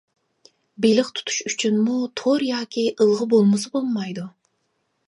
بېلىق تۇتۇش ئۈچۈنمۇ تور ياكى ئىلغا بولمىسا بولمايدۇ.